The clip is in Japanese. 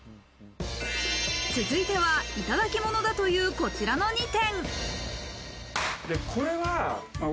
続いては、いただきものだという、こちらの２点。